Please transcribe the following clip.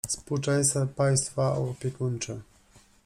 Współczesne państwa opiekuńcze.